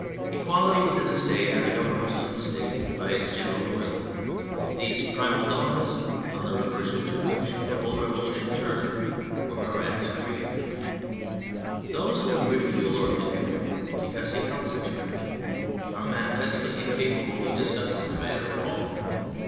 Equality within the State and the govern ment of the State by its general will : these primal dogmas, on the reversion to which the whole Revolution turned, were Marat's creed. Those who would ridicule or condemn him because he held such a creed, are manifestly incapable of discussing the matter at all.